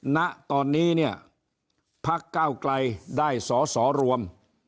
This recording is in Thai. ณตอนนี้เนี่ยพักเก้าไกลได้สอสอรวม